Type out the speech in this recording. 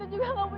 ibu bangun bu